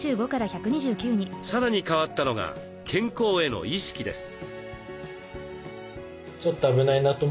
さらに変わったのが健康への意識です。